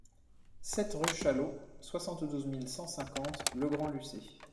sept rue Chalot, soixante-douze mille cent cinquante Le Grand-Lucé